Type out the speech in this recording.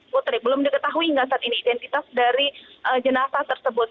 putri belum diketahui hingga saat ini identitas dari jenazah tersebut